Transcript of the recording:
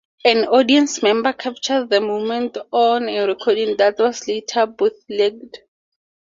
An audience member captured the moment on a recording that was later bootlegged.